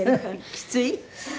きつい。